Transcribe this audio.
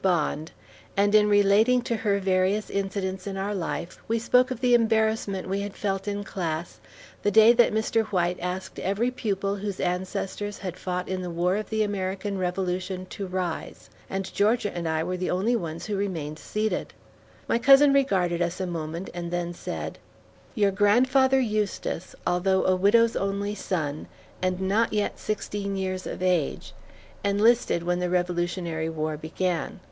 Bond; and in relating to her various incidents of our life, we spoke of the embarrassment we had felt in class the day that Mr. White asked every pupil whose ancestors had fought in the war of the American Revolution to rise, and Georgia and I were the only ones who remained seated. My cousin regarded us a moment and then said: "Your Grandfather Eustis, although a widow's only son, and not yet sixteen years of age, enlisted when the Revolutionary War began.